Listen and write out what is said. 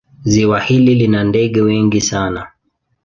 Ziwa hili lina ndege wengi sana.